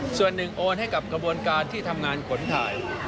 ส่วนหนึ่งโอนให้กับกระบวนการที่ทำงานขนถ่าย